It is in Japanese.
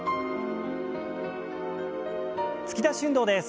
突き出し運動です。